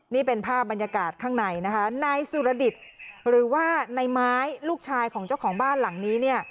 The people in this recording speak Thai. นี่เป็นภาพบรรยากาศข้างในนะคะนายสุรดิตหรือว่าในไม้ลูกชายของเจ้าของบ้านหลังนี้เนี่ย